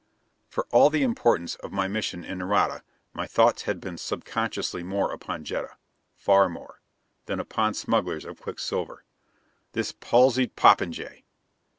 For all the importance of my mission in Nareda my thoughts had been subconsciously more upon Jetta far more than upon smugglers of quicksilver. This palsied popinjay!